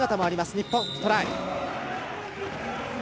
日本、トライ。